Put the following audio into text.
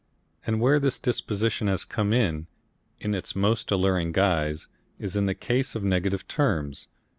And where this disposition has come in, in its most alluring guise, is in the case of negative terms.